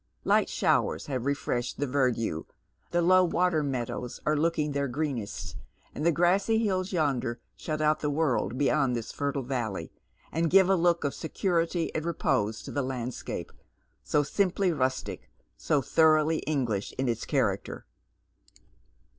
Light showers have refreshed the verdure, the low water meadows are looking their greenest, and the gi assy hills yonder shutout the world beyond this fertile valley, and give a look of security and repose to the landscape, so simply rustic, so thoroughly English in its character.